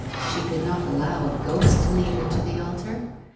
She could not allow a ghost to lead her to the altar.